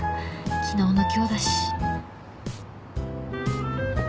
昨日の今日だし。